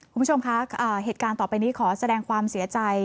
คุณผู้ชมคะเหตุการณ์ต่อไปนี้ขอแสดงความเสียใจ